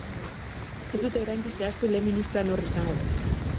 Ez dute oraindik zehaztu lehen ministroa nor izango den.